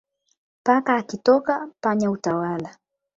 Paka akitoka panya hutawala